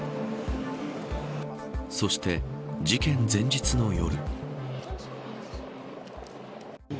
そして、事件前日の夜。